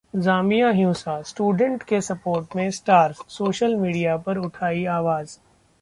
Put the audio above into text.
जामिया हिंसा: स्टूडेंट के सपोर्ट में स्टार्स, सोशल मीडिया पर उठाई आवाज